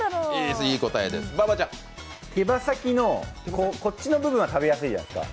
手羽先のこっちの部分は食べやすいじゃないですか。